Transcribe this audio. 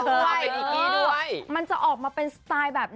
เออเออแล้วมันจะออกมาเป็นสไตล์แบบไหน